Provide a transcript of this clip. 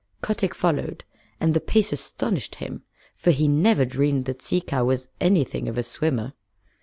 Kotick followed, and the pace astonished him, for he never dreamed that Sea Cow was anything of a swimmer.